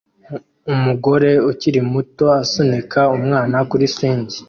Umugore ukiri muto asunika umwana kuri swing